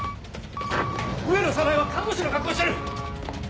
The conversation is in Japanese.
上野早苗は看護師の格好をしている！